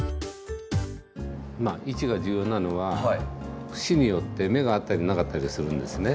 位置が重要なのは節によって芽があったりなかったりするんですね。